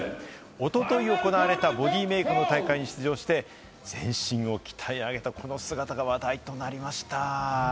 おととい行われたボディメイクの大会に出場して、全身を鍛え上げた、この姿が話題となりました。